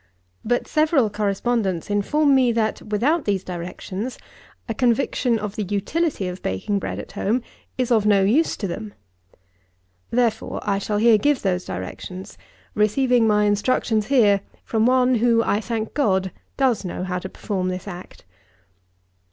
But several correspondents inform me that, without these directions, a conviction of the utility of baking bread at home is of no use to them. Therefore, I shall here give those directions, receiving my instructions here from one, who, I thank God, does know how to perform this act.